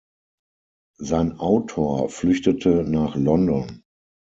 Sein Autor flüchtete nach London.